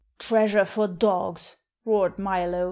"Treasure for dogs!" roared Milo.